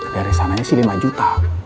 dari sananya sih lima juta